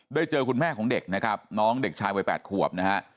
เจอคุณแม่ของเด็กนะครับน้องเด็กชายวัย๘ขวบนะฮะ